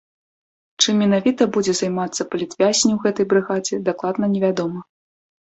Чым менавіта будзе займацца палітвязень у гэтай брыгадзе, дакладна не вядома.